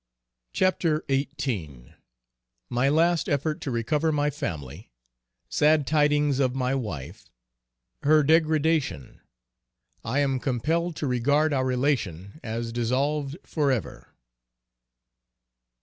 CHAPTER XVIII. _My last effort to recover my family. Sad tidings of my wife. Her degradation. I am compelled to regard our relation as dissolved forever.